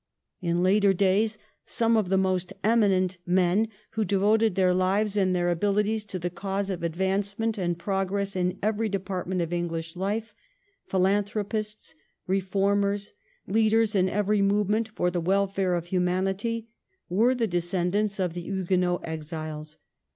In later days some of the most eminent men who devoted their lives and their abilities to the cause of advancement and progress in every depart ment of English life — philanthropists, reformers, leaders in every movement for the welfare of humanity — were the descendants of the Huguenot exiles.